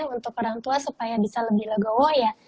untuk orang tua supaya bisa lebih legowo ya